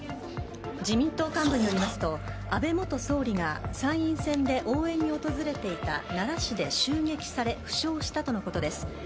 「自民党幹部によりますと安倍元総理が参院選で応援に訪れていた奈良市で襲撃され負傷したとのことです」